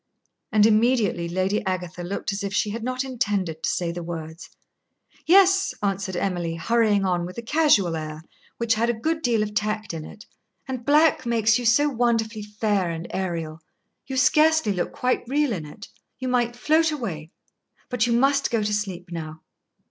And immediately Lady Agatha looked as if she had not intended to say the words. "Yes," answered Emily, hurrying on with a casual air which had a good deal of tact in it. "And black makes you so wonderfully fair and aërial. You scarcely look quite real in it; you might float away. But you must go to sleep now."